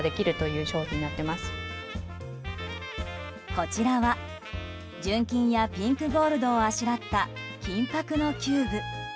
こちらは、純金やピンクゴールドをあしらった金箔のキューブ。